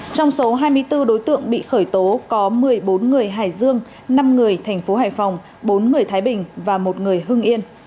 trong số hai mươi bốn đối tượng bị khởi tố có một mươi bốn người hải dương năm người thành phố hải phòng bốn người thái bình và một người hưng yên